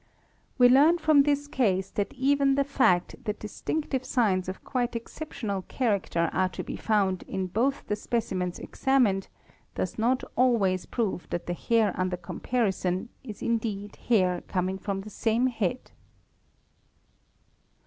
We learn from this case that even the fac that distinctive signs of quite exceptional character are to be found i CASES RELATING TO MEDICINE 203 _ both the specimens examined, does not always prove that the hair under comparison is indeed hair coming from the same head.